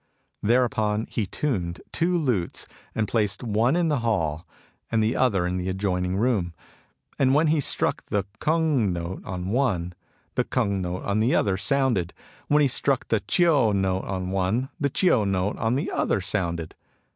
Thereupon he tuned two lutes, and placed one in the hall and the other in the adjoining room. And when he struck the kung note on one, the bung note on the other sounded ; when he struck the chio note on one, the chio note on the other sounded.